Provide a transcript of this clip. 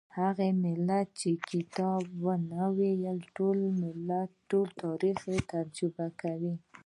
هغه ملت چې کتاب نه وايي ټول تاریخ تجربه کوي.